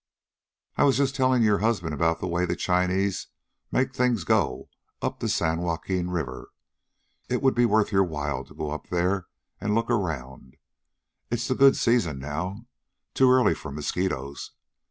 "I was just telling your husband about the way the Chinese make things go up the San Joaquin river. It would be worth your while to go up there and look around. It's the good season now too early for mosquitoes.